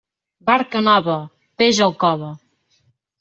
Barca nova, peix al cove.